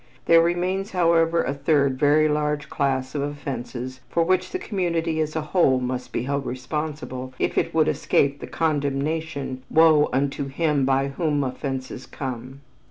There remains, however, a third very large class of offenses for which the community as a whole must be held responsible if it would escape the condemnation, "Woe unto him by whom offenses come."